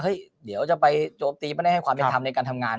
เดี๋ยวจะไปโจมตีไม่ได้ให้ความเป็นธรรมในการทำงาน